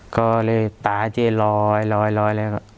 ก็เลยตาเจ๊ลอยแล้วก็